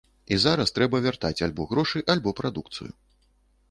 І зараз трэба вяртаць альбо грошы, альбо прадукцыю.